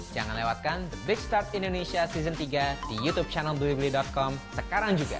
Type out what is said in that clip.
jangan lewatkan the big start indonesia season tiga di youtube channel blibeli com sekarang juga